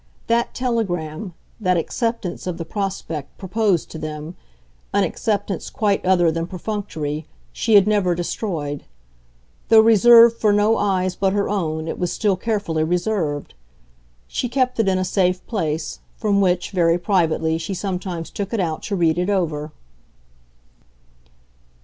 That telegram, that acceptance of the prospect proposed to them an acceptance quite other than perfunctory she had never destroyed; though reserved for no eyes but her own it was still carefully reserved. She kept it in a safe place from which, very privately, she sometimes took it out to read it over.